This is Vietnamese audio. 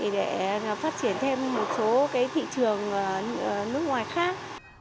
để phát triển thêm một số thị trường nước ngoài khác